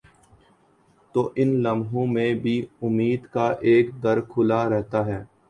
تو ان لمحوں میں بھی امید کا ایک در کھلا رہتا ہے۔